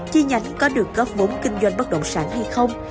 chi nhánh có được góp vốn kinh doanh bất động sản hay không